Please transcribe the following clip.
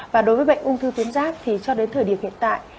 và đối với bệnh ung thư tuyến giáp thì cho đến thời điểm hiện tại